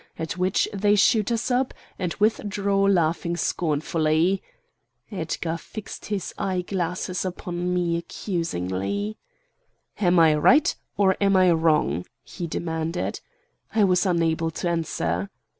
At which they shoot us up, and withdraw laughing scornfully." Edgar fixed his eye glasses upon me accusingly. "Am I right, or am I wrong?" he demanded. I was unable to answer.